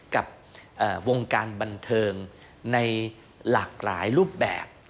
กับวงการบันเทิงในหลากหลายรูปแบบ